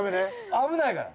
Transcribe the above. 危ないから。